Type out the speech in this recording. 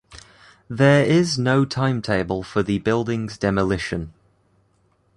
There is no timetable for the building's demolition.